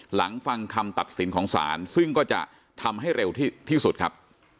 หลังฟังคำตัดสินของศาลซึ่งก็จะทำให้เร็วที่สุดครับ